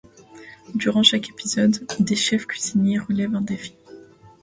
Durant chaque épisode, des chefs cuisiniers relèvent un défi.